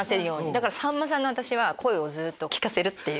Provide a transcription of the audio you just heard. だからさんまさんの声をずっと聞かせるっていう。